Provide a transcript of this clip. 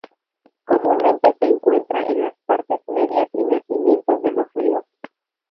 Comúnmente se encuentra en las partes medias y nacimientos de los ríos.